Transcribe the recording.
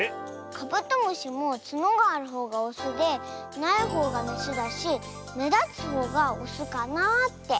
カブトムシもつのがあるほうがオスでないほうがメスだしめだつほうがオスかなあって。